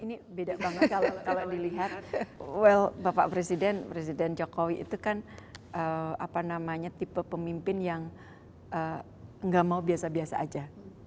ini beda banget kalau dilihat well bapak presiden presiden jokowi itu kan apa namanya tipe pemimpin yang nggak mau biasa biasa aja